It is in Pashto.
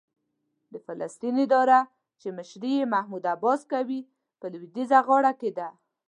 د فلسطین اداره چې مشري یې محمود عباس کوي، په لوېدیځه غاړه کې ده.